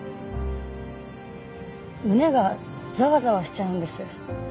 胸がざわざわしちゃうんです。